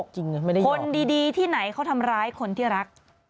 คนดีที่ไหนเขาทำร้ายคนที่รัก